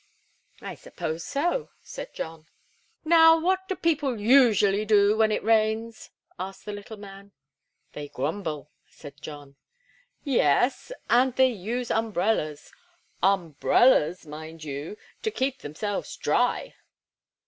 "I suppose so," said John. "Now, what do people usually do when it rains?" asked the little man. "They grumble," said John. "Yes, and they use umbrellas umbrellas, mind you, to keep themselves dry!"